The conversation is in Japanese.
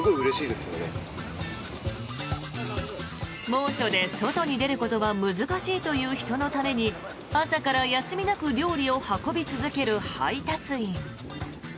猛暑で外に出ることが難しいという人のために朝から休みなく料理を運び続ける配達員。